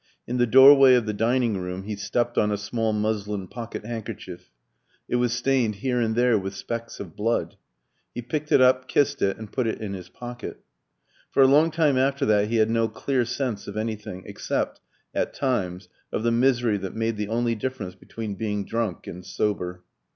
In the doorway of the dining room he stepped on a small muslin pocket handkerchief. It was stained here and there with specks of blood. He picked it up, kissed it, and put it in his pocket. For a long time after that he had no clear sense of anything, except, at times, of the misery that made the only difference between being drunk and sober.